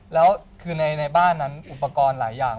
แล้วคือในบ้านนั้นอุปกรณ์หลายอย่าง